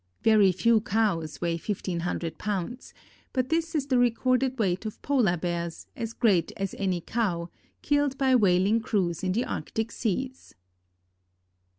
Very few cows weigh fifteen hundred pounds, but this is the recorded weight of Polar Bears, "as great as any cow," killed by whaling crews in the arctic seas.